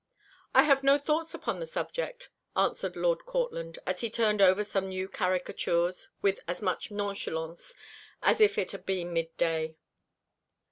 "I have no thoughts upon the subject," answered Lord Courtland, as he turned over some new caricatures with as much nonchalance as if it had been mid day.